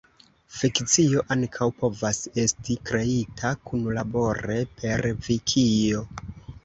Fikcio ankaŭ povas esti kreita kunlabore per vikio.